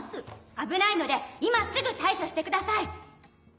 あぶないので今すぐたいしょしてください！